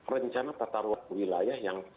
rencana tata ruang wilayah yang